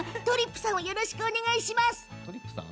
ぷさんをよろしくお願いします。